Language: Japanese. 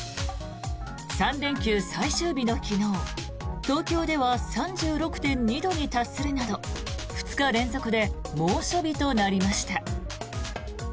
３連休最終日の昨日東京では３６．２度に達するなど２日連続で猛暑日となりました。